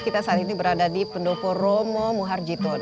kita saat ini berada di pendopo romo muharjito